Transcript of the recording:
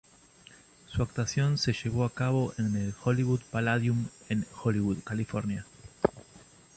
Su actuación se llevó a cabo en el Hollywood Palladium en Hollywood, California.